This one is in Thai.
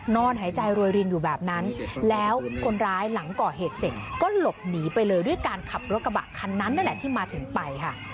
นอนหายใจรวยรินอยู่แบบนั้นแล้วคนร้ายหลังก่อเหตุเสร็จก็หลบหนีไปเลยด้วยการขับรถกระบะคันนั้นนั่นแหละที่มาถึงไปค่ะ